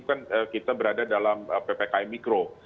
kan kita berada dalam ppkm mikro